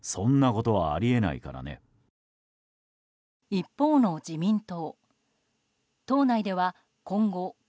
一方の自民党。